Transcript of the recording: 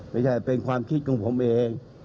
ไม่ใช่เป็นความคิดของผมเอง